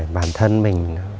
bản thân mình